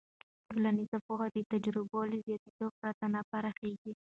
ټولنیز پوهه د تجربو له زیاتېدو پرته نه پراخېږي.